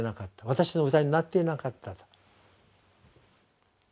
私の歌になっていなかったと。